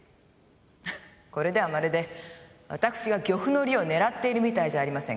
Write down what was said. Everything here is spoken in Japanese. フッこれではまるで私が漁夫の利を狙っているみたいじゃありませんか。